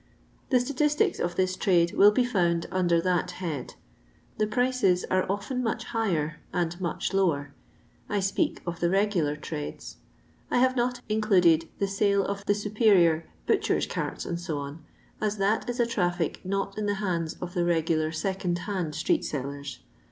The statistics of this trade will be found under that head ; the prices are ofttm much higher and much lower. I speak of the regular trades. I have not included the sale of the superior butchers' carts, &c., as that is a traffic not in the hands of the regular second hand street sellers.